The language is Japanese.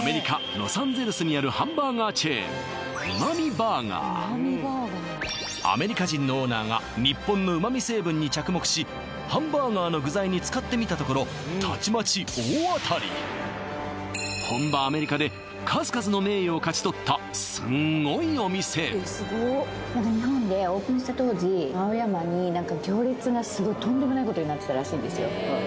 ロサンゼルスにあるハンバーガーチェーンアメリカ人のオーナーが日本のうま味成分に着目しハンバーガーの具材に使ってみたところたちまち本場アメリカで数々の名誉を勝ち取ったすんごいお店何か日本でオープンした当時青山に行列がすごいとんでもないことになってたらしいんですよ